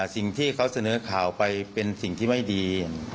สิ่งที่เขาเสนอข่าวไปเป็นสิ่งที่ไม่ดี